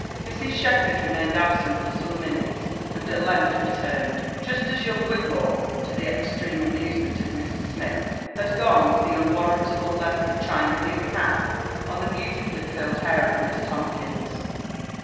Mrs. Shepherd remained absent for some minutes, and at length returned, just as young Whitlaw, to the extreme amusement of Mr. Smith, had gone the unwarrantable length of trying a new cap on the beautifully icurled hair of Miss Tomkins.